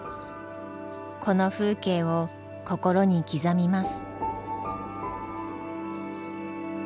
この風景を心に刻みます。